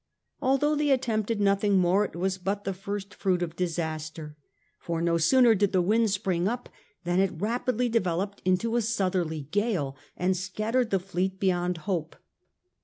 Although they attempted nothing more it was but the first fruit of dis aster. For no sooner did the wind spring up than it rapidly developed into a southerly gale and scattered the fleet beyond hope.